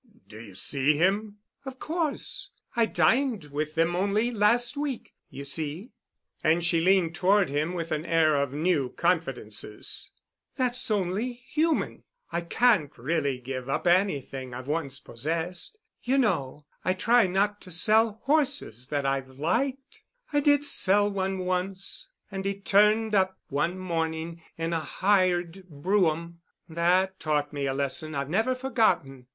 "Do you see him?" "Of course. I dined with them only last week. You see," and she leaned toward him with an air of new confidences, "that's only human. I can't really give up anything I've once possessed. You know, I try not to sell horses that I've liked. I did sell one once, and he turned up one morning in a hired brougham. That taught me a lesson I've never forgotten.